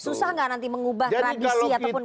susah gak nanti mengubah tradisi ataupun culture masyarakat